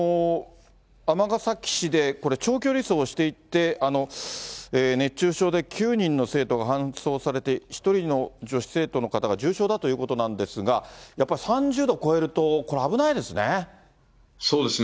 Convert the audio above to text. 尼崎市でこれ、長距離走をしていて、熱中症で９人の生徒が搬送されて、１人の女子生徒の方が重症だということなんですが、やっぱり３０度超えると、これ、危ないですね。